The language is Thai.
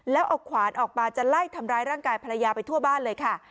แล้วเอาขวานออกมาจะไล่ทำร้ายร่างกายภรรยาไปทั่วบ้านเลยค่ะ